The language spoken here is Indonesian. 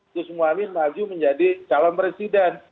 khusus muhammad maju menjadi calon presiden